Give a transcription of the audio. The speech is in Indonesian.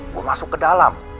gue masuk ke dalam